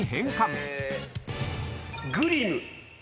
グリム。